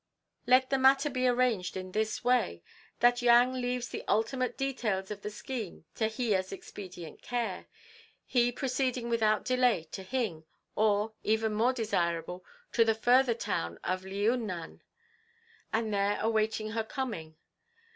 Let the matter be arranged in this way: that Yang leaves the ultimate details of the scheme to Hiya's expedient care, he proceeding without delay to Hing, or, even more desirable, to the further town of Liyunnan, and there awaiting her coming.